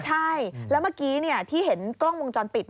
ใช่แล้วเมื่อกี้ที่เห็นกล้องวงจรปิด